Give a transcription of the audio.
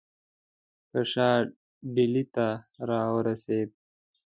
که شاه ډهلي ته را ورسېد.